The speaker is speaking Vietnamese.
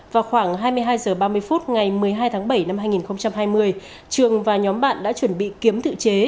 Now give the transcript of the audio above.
vào khoảng hai mươi hai h ba mươi phút ngày một mươi hai tháng bảy năm hai nghìn hai mươi trường và nhóm bạn đã chuẩn bị kiếm tự chế